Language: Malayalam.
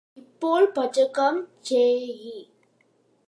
ഇപ്പോൾ പാചകം ചെയ്യ്